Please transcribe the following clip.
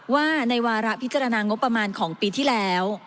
ว่าในวาระพิจารณางบประมาณของปีที่แล้ว